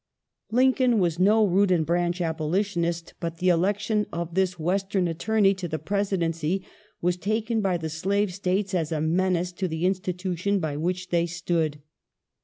Lincoln was no root and branch Abolitionist, but the election of this Western attorney to the Presidency was taken by the Slave States as a menace to the institution by which they stood.